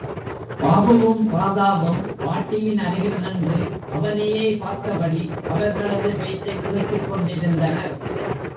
பாபுவும், ராதாவும் பாட்டியின் அருகில் நின்று அவனையே பார்த்தபடி அவர்களது பேச்சைக் கேட்டுக் கொண்டிருந்தனர்.